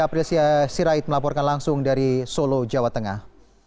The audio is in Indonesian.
april sia sirait melaporkan langsung dari solo jawa tengah